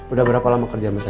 udah berapa lama kerja sama saya